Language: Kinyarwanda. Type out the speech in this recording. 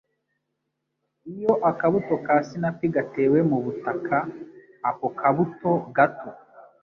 Iyo akabuto ka sinapi gatewe mu butaka, ako kabuto gato,